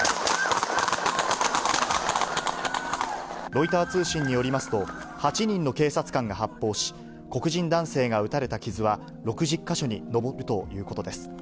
ロイター通信によりますと、８人の警察官が発砲し、黒人男性が撃たれた傷は、６０か所に上るということです。